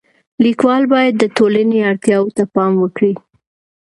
لیکوال باید د ټولنې اړتیاو ته پام وکړي.